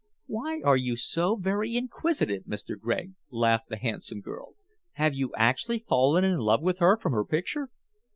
"Why are you so very inquisitive, Mr. Gregg?" laughed the handsome girl. "Have you actually fallen in love with her from her picture?"